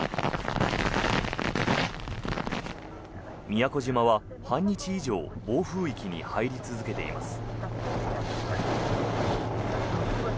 宮古島は半日以上暴風域に入り続けています。